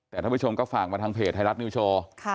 แต่ท่านผู้ชมก็ฝากมาทางเพจไทยรัฐนิวโชว์